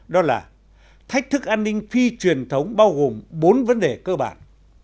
đó là thách thức an ninh phi truyền thống bao gồm bốn vấn đề cơ bản